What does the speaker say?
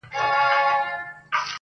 ویل ښکلي کوچېدلي ویل وچ دي ګودرونه -